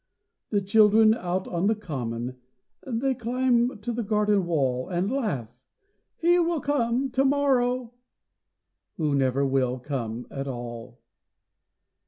The children out on the common: They climb to the garden wall; And laugh: "He will come to morrow!" Who never will come at all.